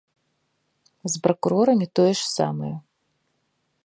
З пракурорамі тое ж самае.